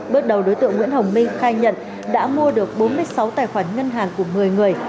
bước đầu đối tượng nguyễn hồng minh khai nhận đã mua được bốn mươi sáu tài khoản ngân hàng của một mươi người